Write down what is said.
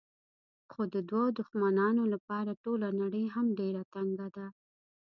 خو د دوو دښمنانو لپاره ټوله نړۍ هم ډېره تنګه ده.